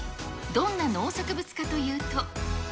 どんな農作物かというと。